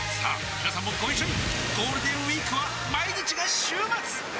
みなさんもご一緒にゴールデンウィークは毎日が週末！